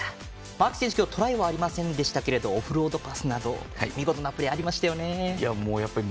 アキ選手、今日はトライはありませんでしたけどオフロードパスなど見事なプレーありましたよね。